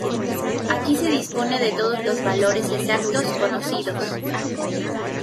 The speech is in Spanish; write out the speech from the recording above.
Aquí se dispone de todos los valores exactos conocidos.